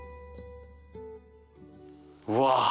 うわ。